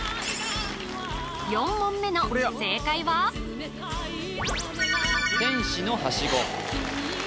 ４問目の正解は天使のはしご